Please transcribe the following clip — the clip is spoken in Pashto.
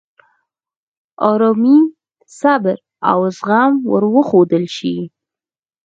آرامي، صبر، او زغم ور وښودل شي.